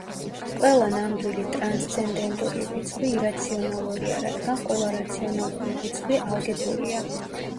ყველა ნამდვილი ტრანსცენდენტური რიცხვი ირაციონალურია, რადგან ყველა რაციონალური რიცხვი ალგებრულია.